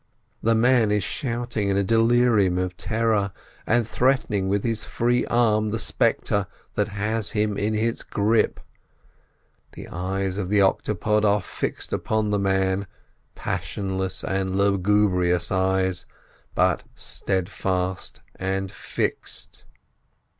The man is shouting in a delirium of terror, and threatening with his free arm the spectre that has him in its grip. The eyes of the octopod are fixed upon the man—passionless and lugubrious eyes, but steadfast and fixed.